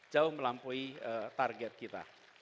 jauh melampaui target kita